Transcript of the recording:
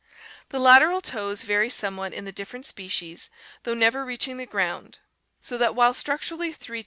The lateral toes vary somewhat in the different species, though never reaching the ground, so that while structurally three toed, the c<*et Fio.